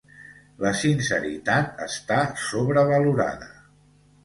La sinceritat està sobrevalorada.